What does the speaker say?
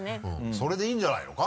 それでいいんじゃないのか？